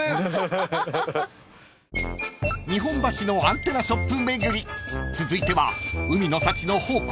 ［日本橋のアンテナショップ巡り続いては海の幸の宝庫